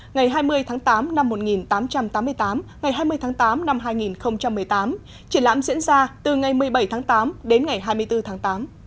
ngày hai mươi tháng tám năm một nghìn tám trăm tám mươi tám ngày hai mươi tháng tám năm hai nghìn một mươi tám triển lãm diễn ra từ ngày một mươi bảy tháng tám đến ngày hai mươi bốn tháng tám